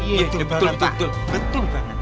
iya betul betul banget